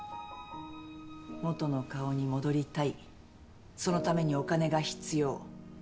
元の顔に戻りたいそのためにお金が必要。